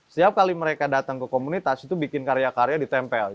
setiap kali mereka datang ke komunitas itu bikin karya karya ditempel